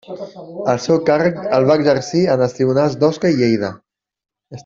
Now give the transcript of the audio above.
El seu càrrec el va exercir en els tribunals d'Osca i Lleida.